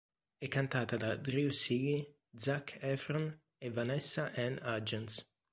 È cantata da Drew Seeley, Zac Efron e Vanessa Anne Hudgens.